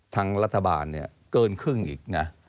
ทางรัฐบาลเนี่ยเกินครึ่งอีกนะ